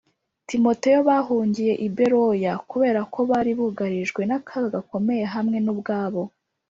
Timoteyo bahungiye i Beroya kubera ko bari bugarijwe n akaga gakomeye hamwe N’ ubwabo